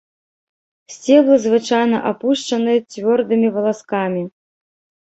Сцеблы звычайна апушаныя цвёрдымі валаскамі.